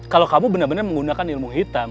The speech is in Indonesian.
kalau kamu bener bener menggunakan ilmu hitam